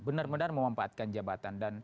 benar benar memanfaatkan jabatan